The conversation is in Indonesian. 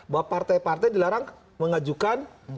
bahwa partai partai dilarang mengajukan